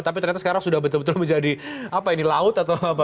tapi ternyata sekarang sudah betul betul menjadi apa ini laut atau apa